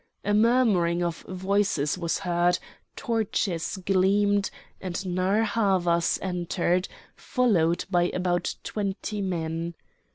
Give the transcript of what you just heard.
A murmuring of voices was heard, torches gleamed, and Narr' Havas entered, followed by about twenty men.